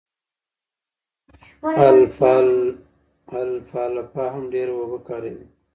الفالفا هم ډېره اوبه کاروي.